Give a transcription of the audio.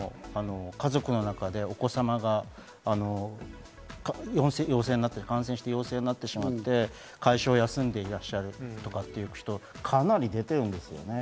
私の周りでも家族の中でお子様が陽性になってしまって会社を休んでいらっしゃるという人はかなり出てるんですよね。